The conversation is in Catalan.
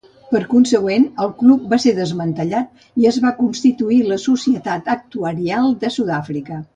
Per consegüent, el Club va ser desmantellat i es va constituir la Societat Actuarial de Sudàfrica.